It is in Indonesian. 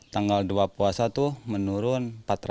tanggal dua puasa tuh menurun empat ratus